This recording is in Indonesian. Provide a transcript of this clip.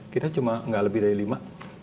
kita cuma nggak lebih dari lima